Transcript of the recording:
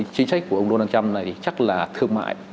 chính sách của ông donald trump này chắc là thương mại